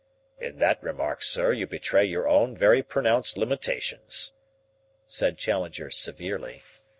"In that remark, sir, you betray your own very pronounced limitations," said Challenger severely.